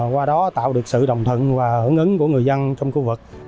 qua đó tạo được sự đồng thận và hứng ứng của người dân trong khu vực